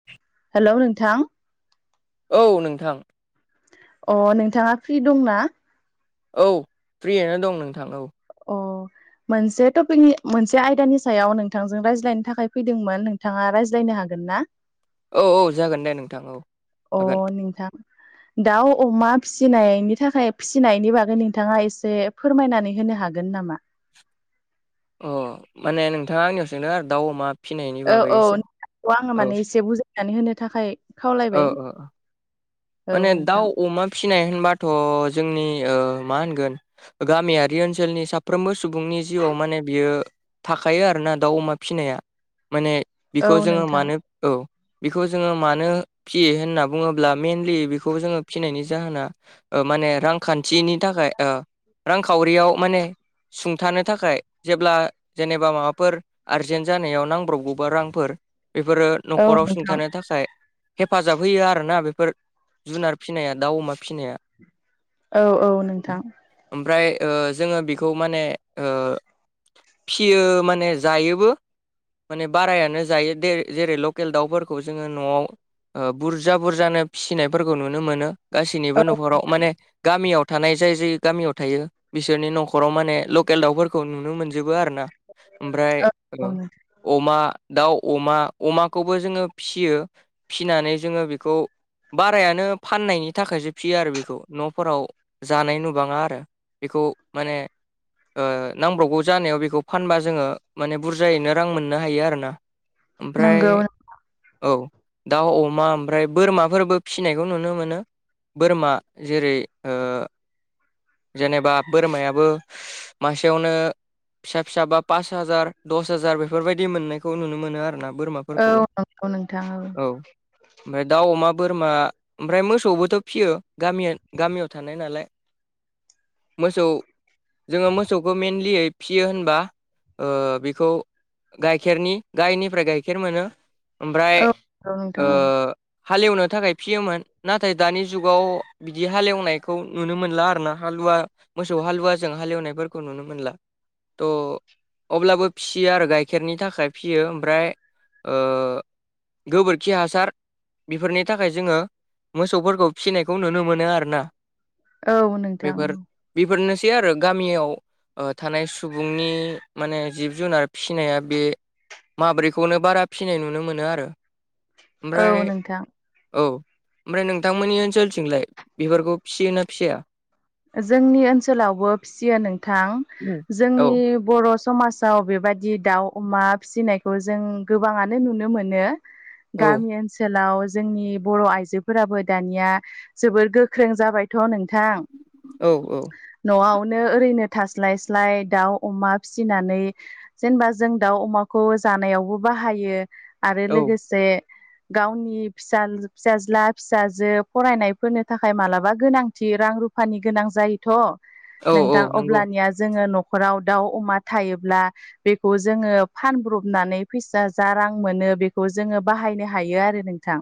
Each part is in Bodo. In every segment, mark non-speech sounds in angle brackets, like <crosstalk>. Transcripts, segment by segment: <inaudible> हेल' नोंथां। औ नोंथां। अ नोंथाङा फ्रि दंना? औ फ्रियैनो दं नोंथां औ। अ मोनसे टपिकनि मोनसे आयदानि सायाव नोंथांजों रायज्लायनो थाखाय फैदोंमोन नोंथाङा रायज्लायनो हागोन ना? औ औ जागोन दे नोंथां औ। हागोन अ नोंथां दाउ अमा फिसिनायनि थाखाय फिसिनायनि बागै नोंथाङा एसे फोरमायनानै होनो हागोन नामा? अ माने नोंथाङा आंनियाव सोंदों आरो दाउ अमा फिनायनि ओ बागै औ एसे खौ आङो औ माने एसे बुजायनानै होनो थाखाय ओ खावलायबाय ओ औ माने नोंथां दाउ अमा फिनाय होनबाथ' जोंनि ओ मा होनगोन गामियारि ओनसोलनि साफ्रोमबो सुबुंनि जिउआव माने बियो थाखायो आरो ना दाउ अमा फिसिनाया माने बिखौ औ जोंङो नोंथां मानो औ बेखौ जोंङो मानो फिसियो होनना बुंङोब्ला मेनलि बेखौ जोंङो फिसिनायनि जाहोना ओ माने रां खान्थिनि थाखाय रांखावरियाव माने सुंथानो थाखाय जेब्ला जेनेबा माबाफोर आरजेन जानायाव नांगौ नांब्रबगौबा रांफोर बेफोरो औ न'खराव नोंथां सुंथानो थाखाय। हेफाजाब होयो आरोना बेफोर जुनार फिसिनाया दाउ अमा फिसिनाया। औव औव नोंथां। ओमफ्राय ओ जोंङो बेखौ माने ओ फिसियो माने जायोबो। माने बारायानो जायो दे जेरैय लकेल दाउफोरखौ जोंङो न'आव बुरजा बुरजानो फिसिनायफोरखौ नुनो औ गासैनिबो न'खराव माने गामियाव' थानाय जाय जाय गामियाव थायो बिसोरनि न'खराव माने लकेल दाउफोरखौ नुनो मोनजोबो आरो ना। ओमफ्राय औ औ अमा दाउ अमा अमाखौबो जोंङो फिसियो फिसिनानै जोंङो बेखौव बारायानो फाननायनि थाखायसो फिसियो आरो बेखौ न'फोराव जानाय नुबांङा आरो। बेखौ माने ओ नांब्रबगौ जानायाव बेखौ फानबा जोंङो माने बुरजायैनो रां मोननो हायो आरो ना। <inaudible> ओमफ्राय औ औव। दाउ अमा ओमफ्राय बोरमाफोरबो फिसिनायखौ नुनो मोनो। बोरमा जेरै ओ जेनेबा बोरमायाबो। मासेयावनो। फिसा फिसा बा पास हाजार दस हाजार बेफोरबायाददि मोननायखौ नुनो मोनो आरोना बोरमा। औ नंगौ नोंथां। औव ओमफ्राय दाउ अमा बोरमा। ओमफ्राय मोसौबोथ' फियो गामि गामियाव थानाय नालाय। मोसौव। जोंङो मोसौखौ मेनलि फियो होनबा ओ बेखौ गायखेरनि गायनिफ्राय मोनो ओमफ्राय औव ओ नोंथां औव। हालेवनो थाखाय फियोमोन। नाथाय दानि जुगाव बिदि हालेवनायखौ नुनो मोनला आरोना हालुवा। मोसौ हालुवाजों हालेवनायफोरखौ नुनो मोनला त'। अब्लाबो फियो आरो गाइखेरनि थाखाय फियो ओमफ्राय ओ। गोबोरखि हासार। बेफोरनि थाखाय जोंङो मोसौव फोरखौव फिसिनायखौ नुनो मोनो आरो ना। औ औ नोंथां बेफोर औ बेफोरनिनो आरो गामियाव। ओ थानाय सुबुंनि माने जिब जुनार फिनाया बे। माब्रैखौनो बारा फिनाय नुनो मोनो आरो औ ओमफ्राय नोंथां औव। ओमफ्राय नोंथांमोननि ओनसोलथिंलाय बिफोरखौ फियोना फिया? जोंनि ओनसोलावबो फियो नोंथां। औ जोंनि बर' समाजाव बेबायदि दाउ अमा फिसिनायखौ जों गोबांङानो नुनो मोनो। औ गामि ओन सोलाव जोंनि बर' आइजोफोराबो दानिया जोबोर गोख्रों जाबायथ' नोंथां। औ औ। न'वावनो ओरैनो थास्लाय स्लाय दाउ अमा फिसिनानै जेनबा जों दाउ अमाखौ जानायावबो बाहायो आरो औ लोगोसे गावनि फिसा फिसाज्ला फिसाजो फरायनायफोरनि थाखाय मालाबा गोनांथि रां रु फानि गोनां जायोथ' औ औ नोंथां नंगौ अब्लानिया जोङो न खराव दाउ अमा थायोब्ला बेखौ जोङो फानब्रबनानै फैसा जा रां मोनो बेखौ जोङो बाहायनो हायो आरो नोंथां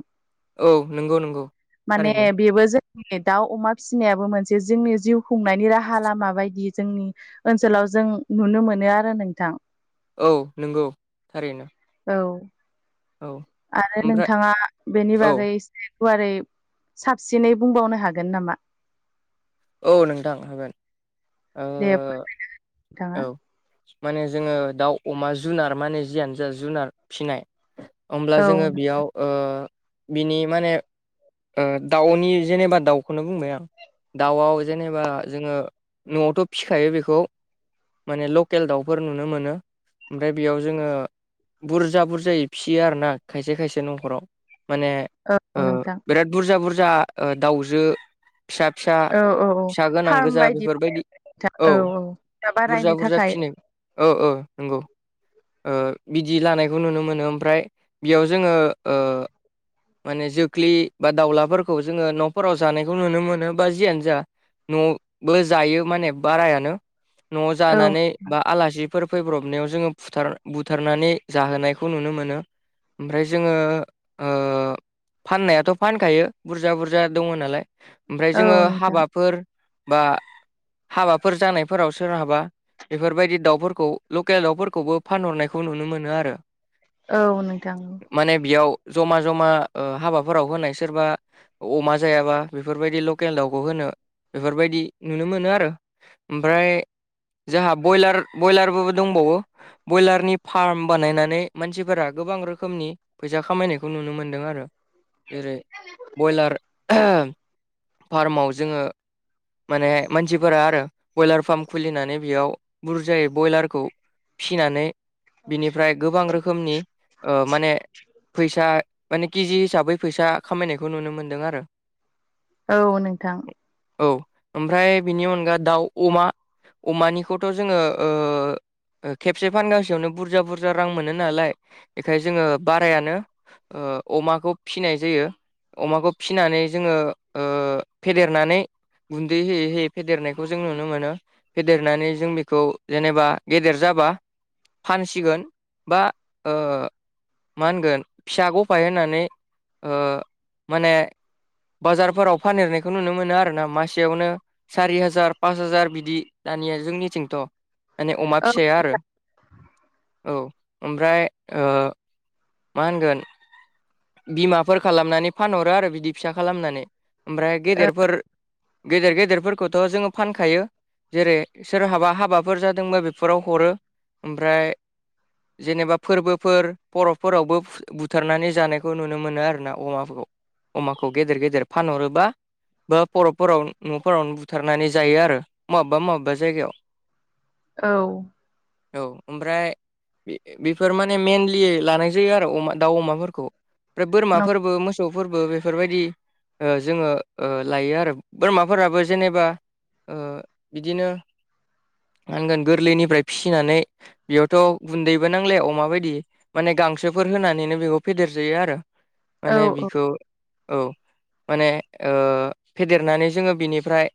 औ नंगौ नंगौ माने थारैनो बेबो जोंनि दाउ अमा फिसिनायाबो मोन से जोंनि जिउ खुंनायनि राहा लामा बायदि जोंनि ओनसोलाव जों नुनो मोनो आरो नोंथां। औ नंगौ थारैनो। औ। औ। आरो ओमफ्राय नोंथाङा बेनि औ बागै गुवारै साबसिनै बुंबावनो हागोन नामा? औ नोंथां हागोन दे नोंथाङा आङो औ। माने जोङो दाउ अमा जुनार माने जियानो जा जुनार फिसिनाय ओमब्ला औ जोङो बेयाव ओ बिनि माने ओ दाउनि जेनेबा दाउखौनो बुंबाय आं। दाउआव जेनेबा जोङो न'वावथ' फिसिखायो बेखौ माने लकेल दाउफोर नुनो मोनो ओमफ्राय बेयाव जोङो बुरजा बुरजायै फिसियो आरोना खायसे खायसे नखराव माने औ ओ नोंथां बिराद बुरजा बुरजा दाउ जो फिसा फिसा औ औ औ फिसा गोनां फार्म गोजा बायदि बेफोरबायदि नोंथां औ दा बुरजा बारायनो बुरजा थाखाय फिसिनाय औ औ नंगौ ओ बिदि लानायखौ नुनो मोनो ओमफ्राय बेयाव जोङो ओ माने जोख्लि बा दाउलाफोरखौ जोङो न'फोराव जानायखौ नुनो मोनो बा जियानो जा न'बो जायो माने बारायानो न'वाव औ जानानै बा आलासिफोर फैब्रबनायाव जोङो फुथार बुथारनानै जाहोनायखौ नुनो मोनो। ओमफ्राय जोङो ओ। फाननायाथ' फानखायो बुरजा बुरजा दङ नालाय ओमफ्राय जोङो औ नोंथां हाबाफोर बा हाबाफोर जानायफोराव सोरहाबा बेफोरबायदि दाउफोरखौ लकेल दाउफोरखौबो फानहरनायखौ नुनो मोनो आरो औ नोंथां औ माने बेयाव जमा जमा ओ हाबाफोराव होनाय सोरबा अमा जायाबा बेफोरबायदि लकेल दाउखौ होनो बेफोरबायदि नुनो मोनो आरो। ओमफ्राय जोंहा बयलार बयलारबो दंबावो बयलारनि फार्म बानायनानै मानसिफोरा गोबां रोखोमनि फैसा खामायनायखौ नुनो मोनदों आरो जेरै बयलार फार्माव जोङो माने मानसिफोरा आरो बयलार फार्म खुलिनानै बेयाव बुरजायै बयलारखौ फिसिनानै बिनिफ्राय गोबां रोखोमनि ओ माने फैसा माने केजि हिसाबै फैसा खामायनायखौ नुनो मोन्दों आरो। औ नोंथां। औ ओमफ्राय बिनि अनगा दाउ अमा अमानिखौथ' जोङो ओ खेबसे फानगासेयावनो बुरजा बुरजा रां मोनो नालाय बेखायनो जोङो बारायानो ओ अमाखौ फिसिनाय जायो। अमाखौ फिसिनानै जोङो ओ फेदेरनानै गुन्दै होयै होयै फेदेरनायखौ जों नुनो मोनो फेदेरनानै जों बेखौ जेनेबा गेदेर जाबा फानसिगोन बा ओ मा होनगोन फिसा गफाय होननानै ओ माने बाजारफोराव फानहेरनायखौ नुनो मोनो आरो ना मासेयावनो सारि हाजार पास हाजार बिदि दानिया जोंनिथिंथ' माने अमा औ फिसाया आरो। औ ओमफ्राय ओ मा होनगोन बिमाफोर खालामनानै फानहरो आरो बिदि फिसा खालामनानै ओमफ्राय गेदेरफोर गेदेर गेदेरफोरखौथ' जोङो फानखायो। जेरै सोरहाबा हाबाफोर जादोंबा बेफोराव हरो ओमफ्राय जेनेबा फोरबोफोर फरफफोरावबो बुथारनानै जानायखौ खौ नुनो मोनो आरो ना अमाफोरखौ अमाखौ गेदेर गेदेर फानहरोबा बर'फोराव न'फोरावनो बुथारनानै जायो आरो माबेबा माबेबा जायगायाव। औ। औ ओमफ्राय बेफोर माने मइेनलि लानाय जायो आरो अमा दाउ अमाफोरखौ ओमफ्राय बोरमाफोरबो मोसौ मोसौफोरबो बेफोरबायदि जोङो लायो। आरो बोरमाफोराबो जेनेबा ओ बिदिनो मा होनगोन गोरलैनिफ्राय फिसिनानै बेयावथ' गुन्दैबो नांलाया अमा बायदि माने गांसोफोर होनानैनो बेखौ फेदेर जायो आरो माने औ बिखौ औ माने ओ फेदेरनानै जोङो बिनिफ्राय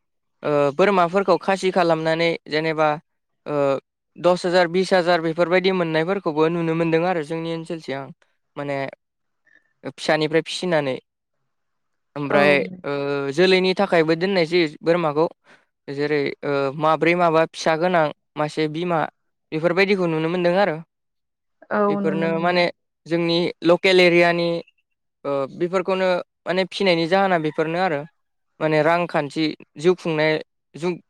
ओ बोरमाफोरखौ खासि खालामनानै जेनेबा ओ दस हाजार बिस हाजार बेफोरबायदि मोननायफोरखौबो नुनो मोन्दों आरो जोंनि ओनसोल थिं। माने फिसानिफ्राय फिसिनानै औ ओमफ्राय ओ जोलैनि नि थाखायबो दोननाय जायो बोरमाखौ जेरै ओ माब्रै माबा फिसा गोनां मासे बिमा बेफोरबायदिखौ नुनो मोनदों आरो औ नुनो बेफोरनो माने मोनदों जोंनि ल केलेरियानि ओ बेफोरखौनो माने फिनायनि जाहोना बेफोरनो आरो। माने रांखान्थि जिउ खुंनाय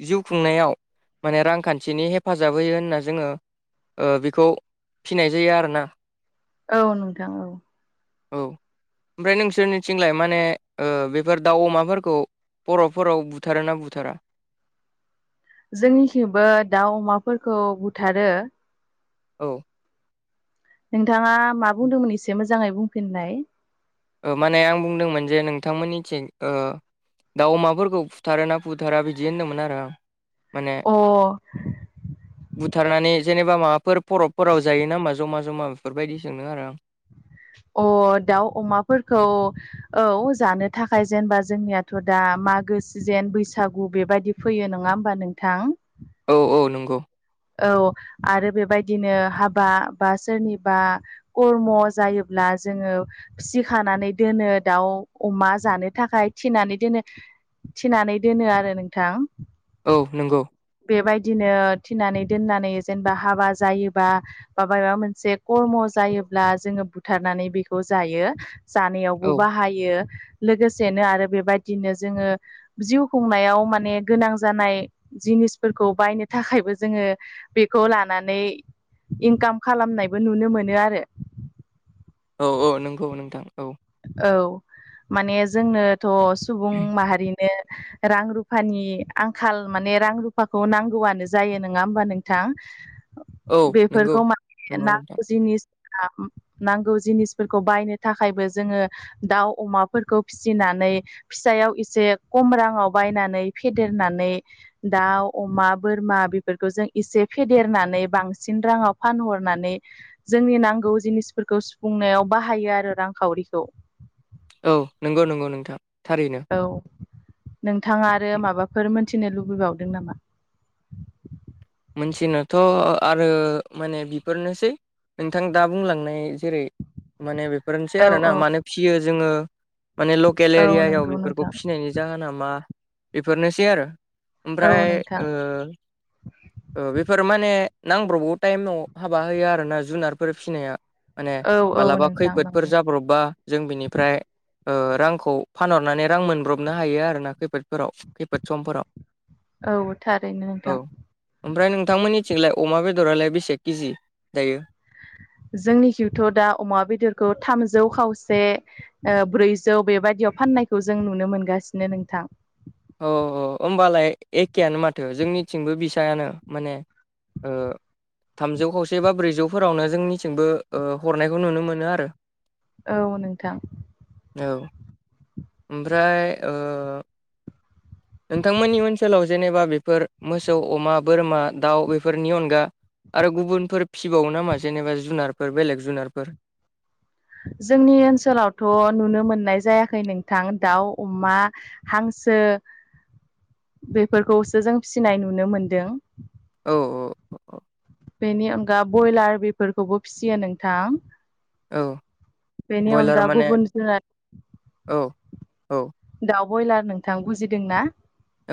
जिउ खुंनायाव माने रांखान्थिनि हेफाजाब होयो होनना जोङो ओ बेखौ फिनाय जायो आरोना। औ नोंथां औ। औ ओमफ्राय नोंसोरनिथिंलाय माने ओ बेफोर दाउ अमाफोरखौ बर'फोराव बुथारोना बुथारा? जोंनिखेंबो दाउ अमाफोरखौ बुथारो। औ। नोंथाङा मा बुंदोंमोन एसे मोजाङै बुंफिननाय। ओ माने आं बुंदोंमोन जे नोंथांमोननि थिं ओ दाउ अमाफोरखौ फुथारो ना फुथारा बिदि होनदोंमोन आरो। माने अ बुथारनानै जेनेबा माबाफोर परफफोराव जायो नामा ज'मा ज'मा? ज'मा फोरबायदि सोंदों आरो। अ दाउ अमाफोरखौ औ जानो थाखाय जेनेबा जोंनियाथ' दा मागो सिजेन बैसागु बेबदि फैयो नङा होमबा नोंथां? औ औ नं औ आरो बेबायदिनो हाबा बा सोरनिबा कर्म जायोब्ला जोङो फिसिखानानै दोनो दाउ अमा जानो थाखाय थिनानै दोनो। थिनानै दोनो आरो नोंथां। औ नंगौ। बेबायदिनो थिनानै दोननानै जेनेबा हाबा जायोबा माबेबा मोनसे कर्म जायोब्ला जोङो बुथारनानै बेखौ जायो। जानायावबो औ बाहायो लोगोसेनो आरो बेबायदिनो जोङो जिउ खुंनायाव माने गोनां जानाय जिनिसफोर फोरखौ बायनो थाखायबो जोङो बेखौ लानानै इनकाम खालामनायबो नुनो मोनो आरो। औ औ नंगौ नोंथां। औ माने जोंनोथ' सुबुं माहारिनो रां रुफानि आंखाल माने रां रुफाखौ नांगौआनो जायो नोङा होमबा नोंथां? औ नंगौ बेफोरखौ माने नंगौ नोंथां नांगौ जिनिस ओ नांगौ जिनिसफोरखौ बायनो थाखायबो जोङो दाउ अमाफोरखौ फिसिनानै फिसायाव एसे खम रांआव बायनानै फेदेरनानै दाउ अमा बोरमा बेफोरखौ जों एसे फेदेरनानै बांसिन राङाव फानहरनानै जोंनि नांगौ जिनिसफोरखौ सुफुंनायाव बाहायो आरो रांखावरिखौ। औ नंगौ नंगौ नोंथां थारैनो। औ नोंथाङा आरो माबाफोर मोनथिनो लुबैबावदों नामा? मोनथिनोथ' आरो माने बेफोरनोसै। नोंथां दा बुंलांनाय जेरै माने बेफोरनोसै औ आरो ना औ मानो फिसियो जोङो माने लग खेल औ एरियायाव नंगौ बेफोरखौ नोंथां फिसिनि जाहोन नामा बेफोरनोसै आरो औ ओमफ्राय नोंथां ओ ओ बेफोर माने नांब्रबगौ टाइमाव हाबा होयो आरोना जुनारफोर फिसिनायनो। माने औ औ मालाबा नोंथां खैफोदफोर नंगौ जाब्रबबा जों बिनिफ्राय ओ रांखौ फानहरनानै रां मोनब्रबनो हायो आरोना खैफोदफोराव खैफोद समफोराव। औ थारैनो। औ ओमफ्राय नोंथां मोननिथिंलाय अमा बेदरालाय बेसे केजि दायो? जोंनिखिथ' दा अमा बेदरखौ थामजौ खावसे ओ ब्रैजौ बेबायदियाव फाननायखौ जों नुनो मोनगासिनो नोंथां। औ औ होमबालाय एखेयानो माथो जोंनिथिंबो बिसायानो माने ओ थामजौ खावसे बा ब्रैजौफोरावनो जोंनिथिंबो ओ हरनायखौ नुनो मोनो आरो। औ नोंथां। औ ओमफ्राय ओ नोंथांमोननि ओनसोलाव जेनेबा बेफोर मोसौ अमा बोरमा दाउ बेफोरनि अनगा आरो गुबुनफोर फिबावो नामा जेनेबा जुनारफोर बेलेग जुनारफोर? जोंनि ओनसोलावथ' नुनो मोननाय जायाखै नोंथां दाउ अमा हांसो बेफोरखौसो जों फिसिनाय नुनो मोनदों। औ औ औ। बेनि अनगा बयलार बेफोरखौबो फिसियो नोंथां। औ बेनि बयलार अनगा माने गुबुन जुनार औ औ। दाउ बयलार नोंथां बुजिदों ना?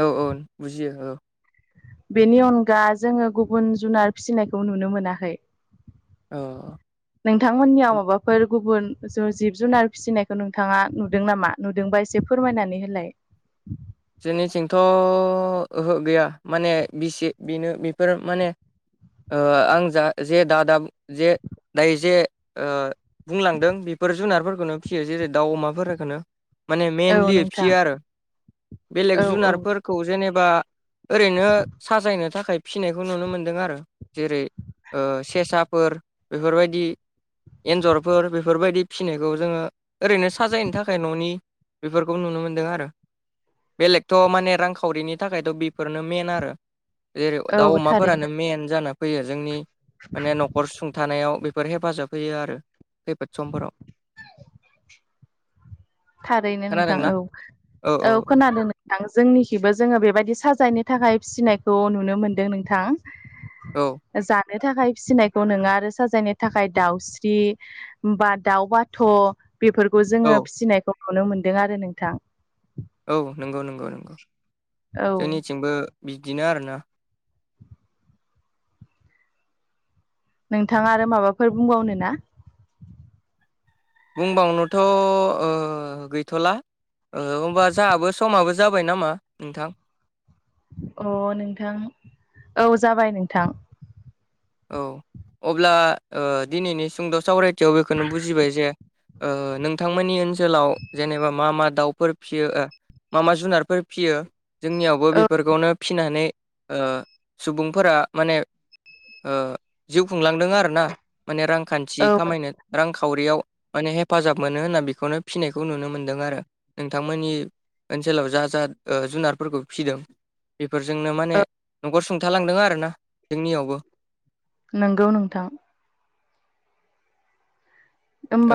औ औ बुजियो औ। बेनि अनगा जोङो गुबुन जुनार फिसिनायखौ नुनो मोनाखै। अ। नोंथांमोननियाव माबाफोर गुबुन ज जिब जुनार फिसिनायखौ नोंथाङा नुदों नामा? नुदोंबा एसे फोरमायनानै बोलाय? जोंनिथिंथ' ओहो गैया माने बिसि बेनो बेफोर माने ओ आं जा जे दा दाब जे दायो जे ओ बुंलांदों बेफोर जुनारफोरखौनो फियो जेरै दाउ अमाफोरफोरखौनो माने औ मइेनलि नोंथां फियो आरो। बेलेग औ औ जुनारफोरखौ जेनेबा ओरैनो साजायनो थाखाय फिनायखौ नुनो मोन्दों आरो जेरै ओ सेसाफोर बेफोरबायदि एन्जरफोर बेफोरबायदि फिसिनायखौ जोङो ओरैनो साजायनो थाखाय न'नि बेफोरखौ नुनो मोन्दों आरो। बेलेगथ' माने रांखावरिनि थाखायथ' बेफोरनो मेन आरो। जेरै दाउ औ थारैनो अमाफोरानो मेन जाना फैयो जोंनि माने न'खर सुंथानायाव बे बेफोर हेफाजाब होयो आरो खैफोद समफोराव। थारैनो नोंथां खोनादोंना औ औ खोनादों नों थां जोंनिखिबो जोङो बेबायदि साजायनो थाखाय फिसिनायखौ नुनो मोनदों नोंथां। औ। जानो थाखाय फिसिनायखौ नङा आरो साजायनो थाखाय दाउस्रि बा दाउ बाथ' बेफोरखौ औ जोङो फिसिनायखौ नुनो मोनदों आरो नोंथां। औ नंगौ नंगौ नंगौ औ जोंनिथिंबो बिदिनो आरो ना। नोंथाङा आरो माबाफोर बुंबावनो ना? बुंबावनोथ' ओ गैथ'ला। ओ होमबा जाहाबो समाबो जाबाय नामा नोंथां? अ नोंथां औ जाबाय नोंथां। औ अब्ला ओ दिनैनि सुंद' सावरायथियाव बेखौनो बुजिबाय जे ओ नोंथांमोननि ओनसोलाव जेनेबा मा मा दाउफोर फियो ओ मा मा जुनारफोर फियो जोंनियावबो औ बेफोरखौनो फिनानै ओ सुबुंफोरा माने ओ जिउ खुंलांदों आरो ना माने रांखान्थि औ खामायनो। रांखावरियाव माने हेफाजाब मोनो होनना बेखौनो फिनायखौ नुनो मोन्दों आरो। नोंथांमोननि ओनसोलाव जा जा ओ जुनारफोरखौ फिदों बेफोरजोंनो माने न'खर सुंथालांदों आरोना जोंनियावबो। नोंगौ नोंथां।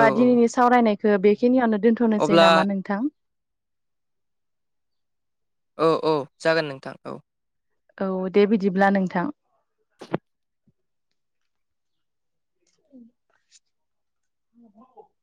औ औ दिनैनि सावरायनायखो बेखिनियावनो दोनथ'नोसै अब्ला नामा नोंथां? औ औ जागोन नोंथां औ। औ दे बिदिब्ला नोंथां। <unintelligible>